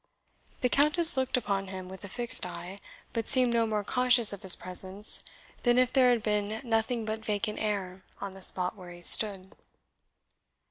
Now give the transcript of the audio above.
The Countess looked upon him with a fixed eye, but seemed no more conscious of his presence than if there had been nothing but vacant air on the spot where he stood.